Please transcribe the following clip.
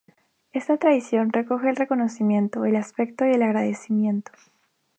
Esta tradición recoge el reconocimiento, el respeto y el agradecimiento.